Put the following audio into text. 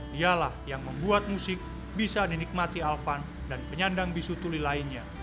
dialah yang membuat musik bisa dinikmati alvan dan penyandang bisu tuli lainnya